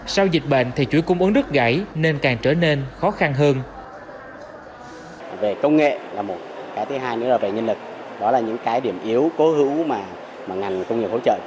sau dịch bệnh thì chuỗi cung ứng đứt gãy nên càng trở nên khó khăn hơn